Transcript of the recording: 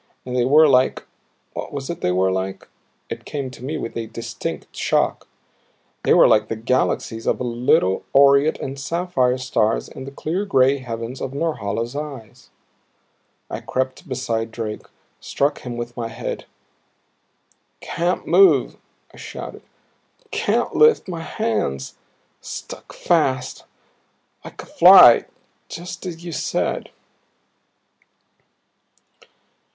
And they were like what was it they were like? it came to me with a distinct shock. They were like the galaxies of little aureate and sapphire stars in the clear gray heavens of Norhala's eyes. I crept beside Drake, struck him with my head. "Can't move," I shouted. "Can't lift my hands. Stuck fast like a fly just as you said."